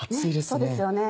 そうですよね。